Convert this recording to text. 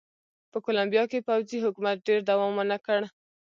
په کولمبیا کې پوځي حکومت ډېر دوام ونه کړ.